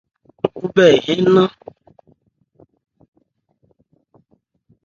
Lúkubhye ehɛ́n nnɛn.